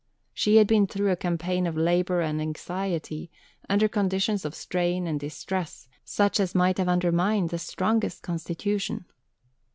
She had been through a campaign of labour and anxiety, under conditions of strain and distress, such as might have undermined the strongest constitution.